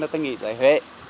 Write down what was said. người ta nghĩ là huế